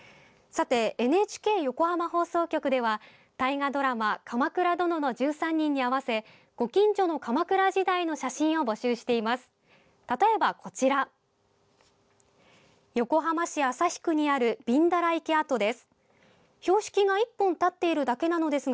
さて、ＮＨＫ横浜放送局では大河ドラマ「鎌倉殿の１３人」に合わせ「ご近所の鎌倉時代」の写真を募集しています。